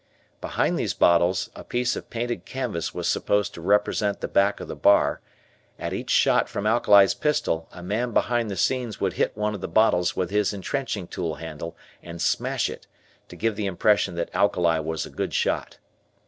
Behind these bottles a piece of painted canvas was supposed to represent the back of the bar, at each shot from Alkali's pistol a man behind the scenes would hit one of the bottles with his entrenching tool handle and smash it, to give the impression that Alkali was a good shot.